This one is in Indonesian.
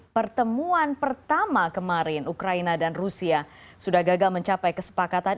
pertemuan pertama kemarin ukraina dan rusia sudah gagal mencapai kesepakatan